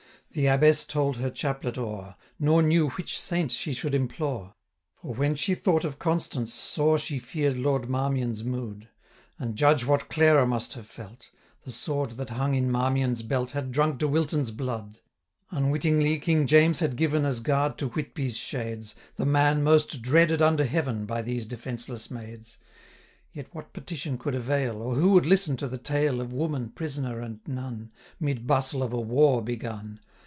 The Abbess told her chaplet o'er, Nor knew which Saint she should implore; For, when she thought of Constance, sore She fear'd Lord Marmion's mood. 520 And judge what Clara must have felt! The sword, that hung in Marmion's belt, Had drunk De Wilton's blood. Unwittingly, King James had given, As guard to Whitby's shades, 525 The man most dreaded under heaven By these defenceless maids: Yet what petition could avail, Or who would listen to the tale Of woman, prisoner, and nun, 530 Mid bustle of a war begun?